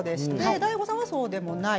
ＤＡＩＧＯさんはそうでもない。